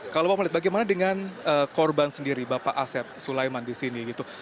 kalau bapak melihat bagaimana dengan korban sendiri bapak asep sulaiman di sini gitu